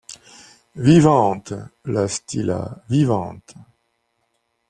Vivante. .. la Stilla. .. vivante !...